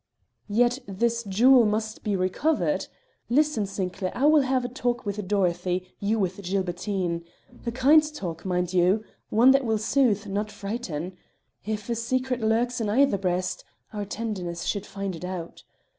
"Yet this jewel must be recovered. Listen, Sinclair. I will have a talk with Dorothy, you with Gilbertine. A kind talk, mind you! one that will soothe, not frighten. If a secret lurks in either breast our tenderness should find it out.